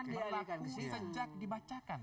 berlaku sejak dibacakan